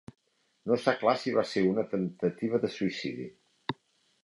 No està clar si va ser una temptativa de suïcidi.